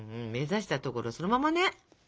目指したところそのままね！